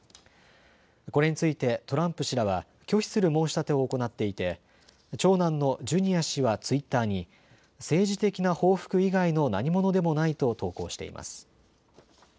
これについてトランプ氏らは拒否する申し立てを行っていて長男のジュニア氏はツイッターに政治的な報復以外のなにものでもないと投稿しています。